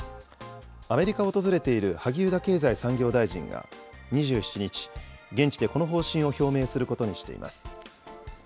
アメリカを訪れている萩生田経済産業大臣が２７日、現地でこの方針を表明することにしています。